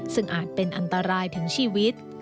ซึ่งอาจเป็นอันตรายถึงชีวิต